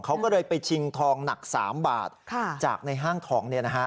เขาก็เลยไปชิงทองหนัก๓บาทจากในห้างทอง